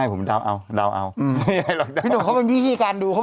พี่หนุ่มเขาเป็นพิธีการดูเขาบอกมีพิธีการดูของเขา